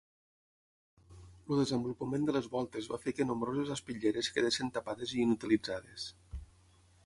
El desenvolupament de les voltes va fer que nombroses espitlleres quedessin tapades i inutilitzades.